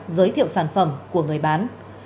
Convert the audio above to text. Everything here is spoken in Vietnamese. giới thiệu sản phẩm của người bán